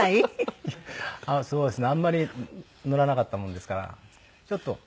そうですねあんまり乗らなかったものですからちょっとええ。